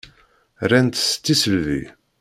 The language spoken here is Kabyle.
Ran-tt s tisselbi.